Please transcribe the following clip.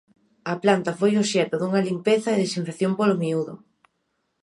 A planta foi obxecto dunha limpeza e desinfección polo miúdo.